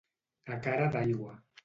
A cara d'aigua.